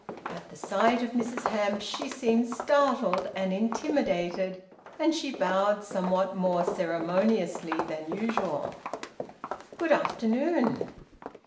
At the sight of Mrs Hamps she seemed startled and intimidated, and she bowed somewhat more ceremoniously than usual. "Good afternoon!"